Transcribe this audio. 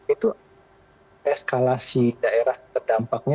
itu eskalasi daerah terdampaknya